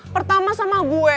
pertama sama gue